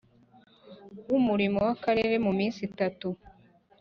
w umurimo w Akarere mu minsi itatu